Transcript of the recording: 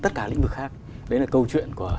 tất cả lĩnh vực khác đấy là câu chuyện của